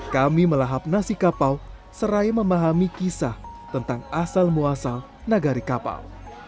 kami melahap nasi kapau serai memahami kisah tentang asal muasal nagari kapau